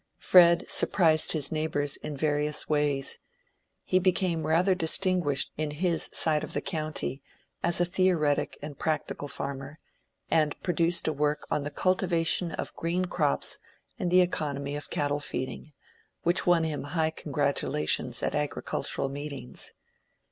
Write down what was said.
Fred surprised his neighbors in various ways. He became rather distinguished in his side of the county as a theoretic and practical farmer, and produced a work on the "Cultivation of Green Crops and the Economy of Cattle Feeding" which won him high congratulations at agricultural meetings.